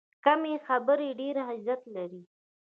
کمې خبرې، ډېر عزت لري.